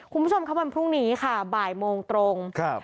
คุณผู้ชมครับวันพรุ่งนี้ค่ะบ่ายโมงตรงครับ